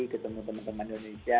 ketemu teman teman indonesia